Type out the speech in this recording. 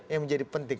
yang menjadi penting